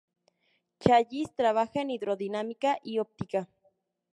Challis trabajó en hidrodinámica y óptica.